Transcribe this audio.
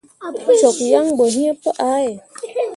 Cok yan bo yiŋ pu ʼahe.